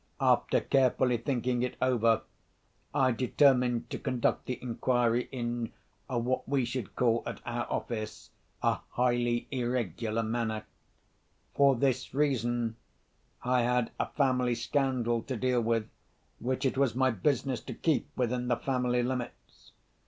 After carefully thinking it over, I determined to conduct the inquiry in, what we should call at our office, a highly irregular manner. For this reason: I had a family scandal to deal with, which it was my business to keep within the family limits.